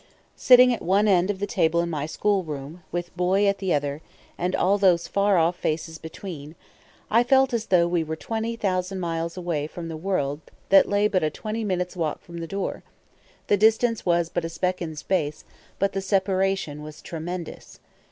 Sitting at one end of the table in my school room, with Boy at the other, and all those far off faces between, I felt as though we were twenty thousand miles away from the world that lay but a twenty minutes' walk from the door; the distance was but a speck in space, but the separation was tremendous.